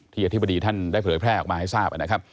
อธิบดีท่านได้เผยแพร่ออกมาให้ทราบนะครับ